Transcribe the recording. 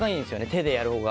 手でやるほうが。